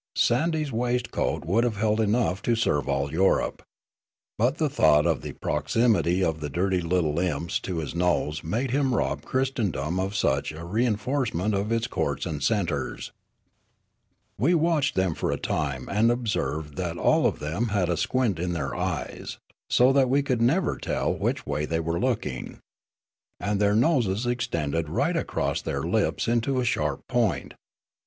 Sandy's waist coat would have held enough to serve all Europe. But the thought of the proximity of the dirty little imps to his nose made him rob Christendom of such a rein forcement of its courts and centres. " We watched them for a time, and observed that all of them had a squint in their eyes, so that we could never tell which way they were looking. And their noses extended right across their lips into a sharp point.